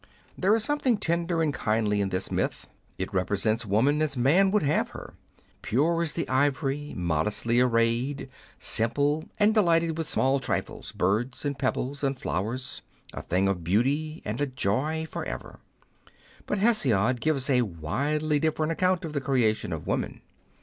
There is something tender and kindly in this myth ; it represents woman as man would have her, pure as the ivory, modestly arrayed, simple, and delighted with small trifles, birds, and pebbles, , and flowers — a thing of beauty and a joy for ever. But Hesiod gives a widely different account of the creation of woman.